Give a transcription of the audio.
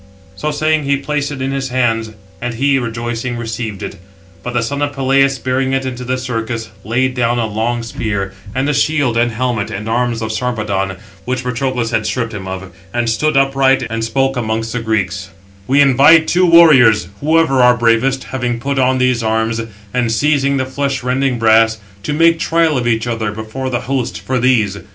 So saying, he placed it in his hands; and he, rejoicing, received it. But the son of Peleus, bearing into the circus, laid down a long spear, and a shield, and helmet, the arms of Sarpedon, which Patroclus had stripped him of; and stood upright, and spoke amongst the Greeks: "We invite two warriors, whoever are bravest, having put; on these arms, [and] seizing the flesh rending brass, to make trial of each other before the host for these.